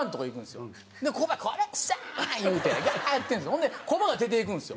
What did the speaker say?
ほんでコバが出て行くんですよ。